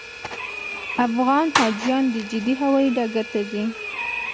افغان حاجیان د جدې هوایي ډګر ته ځي.